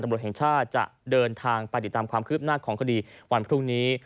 ตำรวจแห่งชาติจะเดินทางไปติดตามความคืบหน้าของคดีวันพรุ่งนี้